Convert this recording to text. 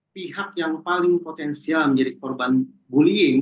pihak yang paling potensial menjadi korban bullying